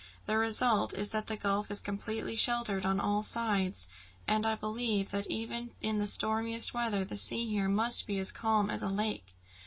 The result is that the gulf is completely sheltered on all sides, and I believe that even in the stormiest weather, the sea here must be as calm as a lake."